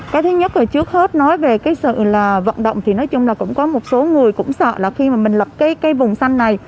cái thứ nhất là trước hết nói về cái sự là vận động thì nói chung là cũng có một số người cũng sợ là khi mà mình lập cái vùng xanh này